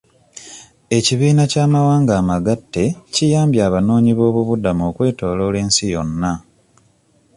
Ekibiina ky'amawanga amagatte kiyambye abanoonyiboobubudamu okwetooloola ensi yonna.